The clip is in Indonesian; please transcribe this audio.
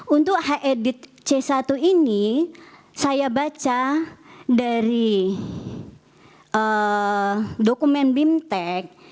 untuk hedit c satu ini saya baca dari dokumen bimtek